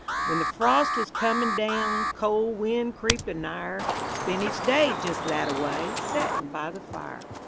When the frost wuz comin' down Col' win' creepin' nigher, Spent each day jest thataway Settin' by the fire.